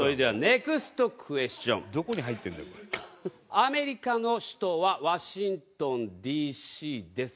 アメリカの首都はワシントンＤ．Ｃ．です